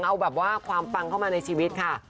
เอาแบบว่าความปังเข้ามาในชีวิตค่ะ